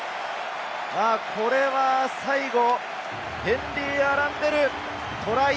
これは最後、ヘンリー・アランデル、トライ！